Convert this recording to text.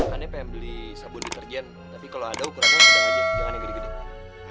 makannya pengen beli sabun deterjen tapi kalau ada ukurannya sedang aja jangan yang gede gede